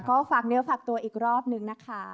ก็ฝากเนื้อฝากตัวอีกรอบนึงนะคะ